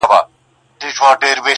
له نظمونو یم بېزاره له دېوانه یمه ستړی؛